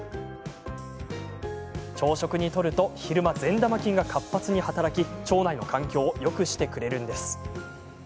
朝食にとると昼間、善玉菌が活発に働き腸内の環境をよくしてくれるんです。